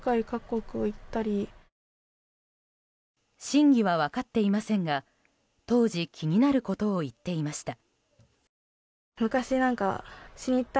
真偽は分かっていませんが当時気になることを言っていました。